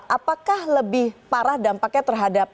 apakah lebih parah dampaknya terhadap